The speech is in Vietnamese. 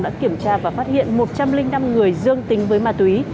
đã kiểm tra và phát hiện một trăm linh năm người dương tính với ma túy